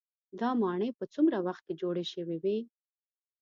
دا ماڼۍ په څومره وخت کې جوړې شوې وي.